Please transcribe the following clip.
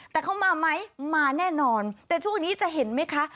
แต่เขามาไหมมาแน่นอนแต่ช่วงนี้จะเห็นไหมคะ